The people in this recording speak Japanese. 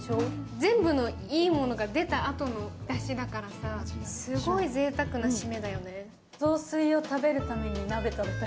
全部のいいものが出たあとのだしだからさ、すごいぜいたくな締めだよね。